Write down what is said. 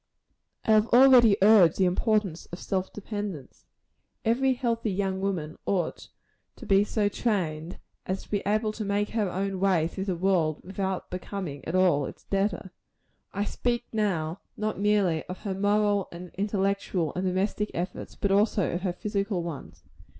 I have already urged the importance of self dependence. Every healthy young woman ought to be so trained, as to be able to make her own way through the world without becoming at all its debtor. I speak now not merely of her moral, and intellectual, and domestic efforts, but also of her physical ones.